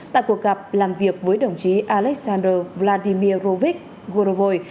tại cuộc gặp làm việc với đồng chí alexander vladimirovich gorovoi